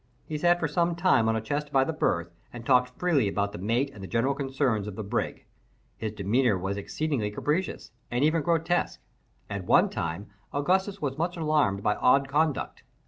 He sat for some time on a chest by the berth, and talked freely about the mate and the general concerns of the brig. His demeanour was exceedingly capricious, and even grotesque. At one time Augustus was much alarmed by odd conduct.